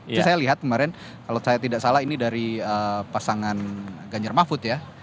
itu saya lihat kemarin kalau saya tidak salah ini dari pasangan ganjar mahfud ya